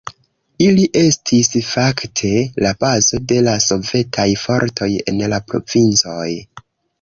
Ili estis fakte la bazo de la sovetaj fortoj en la provincoj.